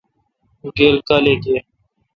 اں گیل کالیک این۔